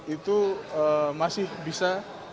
itu masih bisa